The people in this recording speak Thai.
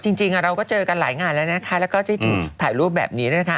จริงเราก็เจอกันหลายงานแล้วนะคะแล้วก็ได้ถูกถ่ายรูปแบบนี้นะคะ